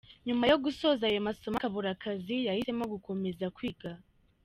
Nyuma yo gusoza ayo masomo akabura akazi yahisemo gukomeza kwiga.